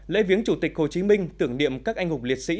lễ viếng chủ tịch hồ chí minh tưởng niệm các anh hùng liệt sĩ